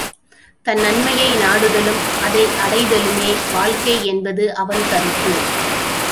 தன் நன்மையை நாடுதலும், அதை அடைதலுமே வாழ்க்கை என்பது அவன் கருத்து.